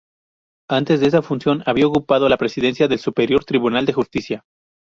Antes de esa función había ocupado la presidencia del Superior Tribunal de Justicia.